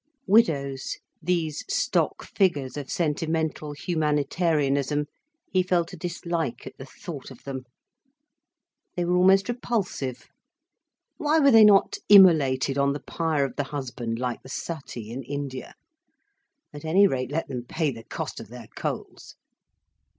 Widows, these stock figures of sentimental humanitarianism, he felt a dislike at the thought of them. They were almost repulsive. Why were they not immolated on the pyre of the husband, like the sati in India? At any rate, let them pay the cost of their coals.